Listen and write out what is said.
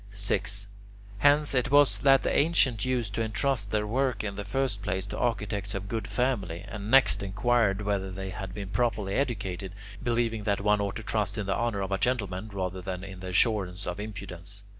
6. Hence it was that the ancients used to entrust their work in the first place to architects of good family, and next inquired whether they had been properly educated, believing that one ought to trust in the honour of a gentleman rather than in the assurance of impudence.